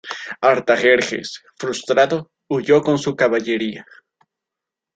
Artajerjes, frustrado, huyó con su caballería.